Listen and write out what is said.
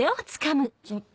ちょっと。